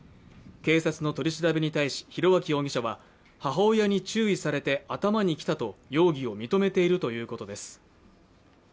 警察の取り調べに対し裕昭容疑者は、母親に注意されて頭にきたと容疑を認めているということです。